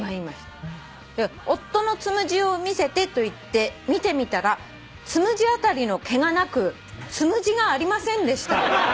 「夫のつむじを見せてと言って見てみたらつむじ辺りの毛がなくつむじがありませんでした」